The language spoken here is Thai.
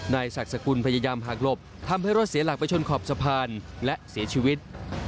นายศักดิ์สกุลพยายามหักหลบทำให้รถเสียหลักไปชนขอบสะพานและเสียชีวิต